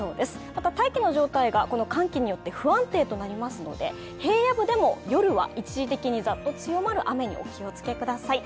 また、大気の状態がこの寒気によって不安定となりますので、平野部でも夜は一時的にザッと強まる雨にお気をつけください。